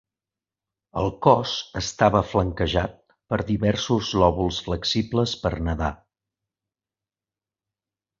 El cos estava flanquejat per diversos lòbuls flexibles per nedar.